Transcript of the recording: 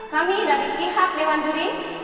kami dari pihak dewan juri